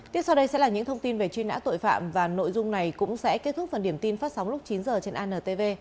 tiếp sau đây sẽ là những thông tin về truy nã tội phạm và nội dung này cũng sẽ kết thúc phần điểm tin phát sóng lúc chín h trên antv